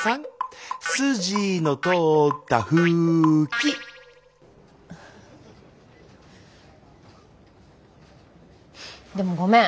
すじのとおったふーきでもごめん。